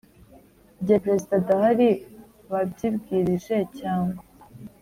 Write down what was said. Igihe perezida adahari babyibwirije cyangwa